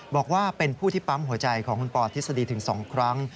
บอกว่าเป็นผู้ที่ปั๊มหัวใจของคุณปอทฤษฎีถึง๒ครั้ง